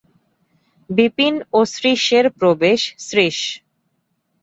বিপিন ও শ্রীশের প্রবেশ শ্রীশ।